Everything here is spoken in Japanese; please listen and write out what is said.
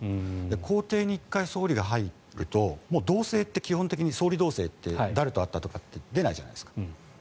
公邸に１回総理が入ると基本的に総理動静って誰と会ったかとかって出ないじゃないですか。